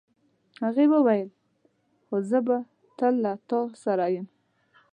هغې وویل خو زه به تل له تا سره یم.